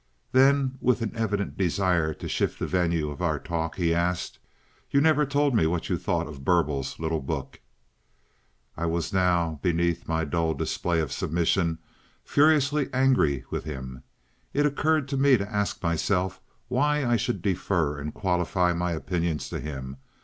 Then with an evident desire to shift the venue of our talk, he asked, "You never told me what you thought of Burble's little book." I was now, beneath my dull display of submission, furiously angry with him. It occurred to me to ask myself why I should defer and qualify my opinions to him.